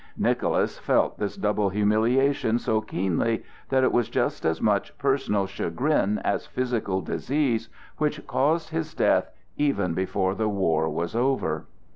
Nicholas felt this double humiliation so keenly that it was just as much personal chagrin as physical disease which caused his death even before the war was over.